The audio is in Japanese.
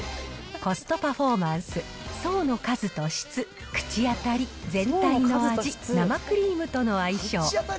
コストパフォーマンス、層の数と質、口当たり、全体の味、生クリームとの相性。